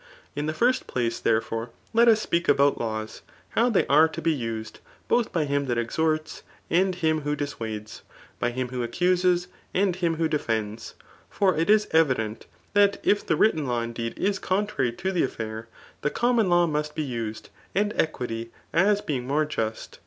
In the first place, therefore, let us speak about laws, how they are to be used, both by him that exhorts, and him who dissuades, by him who accuses, and him who defends. For it is evident, that if the written law indeed is contrary to the afiair, the common law must be used, and eqiuty, as being more just.